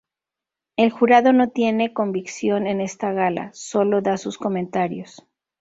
El jurado no tiene convicción en esta gala, sólo da sus comentarios.